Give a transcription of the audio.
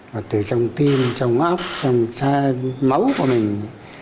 mà từ trong tim trong óc trong máu của mình